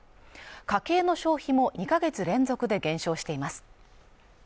家計の消費も２か月連続で減少しています。